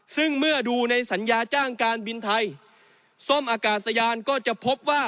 ซึ่งเมื่อดูในสัญญาจ้างการบินไทยส้มอากาศยานก็จะพบว่า